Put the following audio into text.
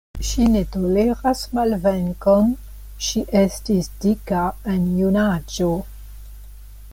Ŝi ne toleras malvenkon, ŝi estis dika en junaĝo.